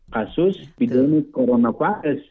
kasus bidang corona virus